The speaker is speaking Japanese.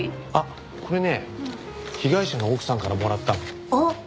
あっこれね被害者の奥さんからもらったの。